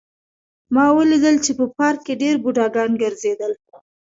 ما ولیدل چې په پارک کې ډېر بوډاګان ګرځېدل